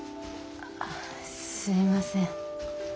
あすいません。